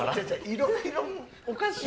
いろいろおかしい。